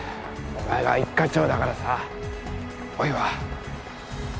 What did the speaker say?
お前が一課長だからさ大岩。